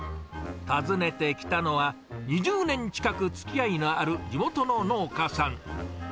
訪ねてきたのは、２０年近くつきあいのある地元の農家さん。